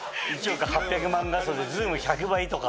１億８００万画素でズーム１００倍とか。